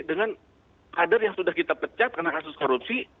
dengan kader yang sudah kita pecat karena kasus korupsi